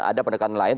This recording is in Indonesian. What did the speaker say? ada pendekatan lain